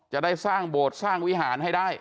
จะได้สร้างโบสถ์สร้างวิหารให้ได้